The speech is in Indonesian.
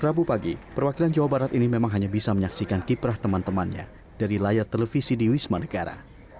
rabu pagi perwakilan jawa barat ini memang hanya bisa menyaksikan kiprah teman temannya dari layar televisi di wisma negara